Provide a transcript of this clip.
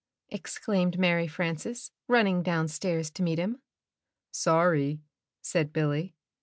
exclaimed Mary Frances, running down stairs to meet him. ''Sorry," said Billy.